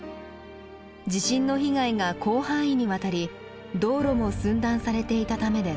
地震の被害が広範囲にわたり道路も寸断されていたためです。